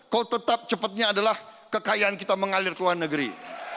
kok tetap cepatnya adalah kekayaan kita mengalir ke luar negeri